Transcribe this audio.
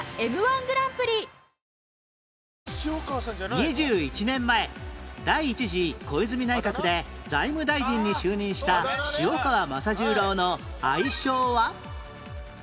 ２１年前第一次小泉内閣で財務大臣に就任した塩川正十郎の愛称は？